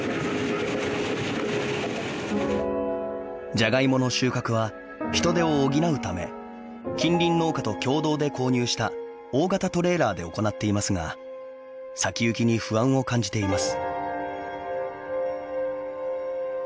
じゃがいもの収穫は人手を補うため近隣農家と共同で購入した大型トレーラーで行っていますが先行きに不安を感じています。